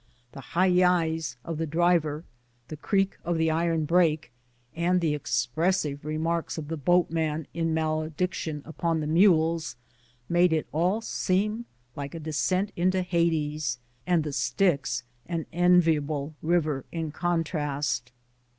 The " hi yis" of the driver, the creak of the iron brake, and the expressive remarks of the boatman in malediction upon the mules, made it all seem like a descent into Hades, and the river Styx an enviable river in contrast.